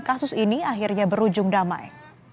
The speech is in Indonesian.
kasus ini akhirnya berujung damai